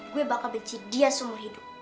gue bakal dia seumur hidup